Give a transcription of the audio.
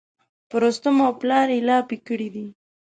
په رستم او پلار یې لاپې کړي دي.